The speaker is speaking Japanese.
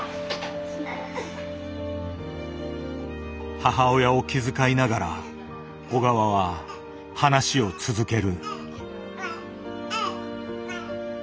母親を気遣いながら小川は話を続ける。